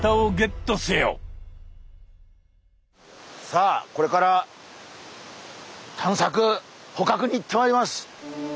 さあこれから探索捕獲に行ってまいります。